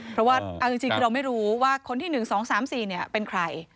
เพราะว่าเอาจริงคือเราไม่รู้ว่าคนที่๑๒๓๔เป็นใคร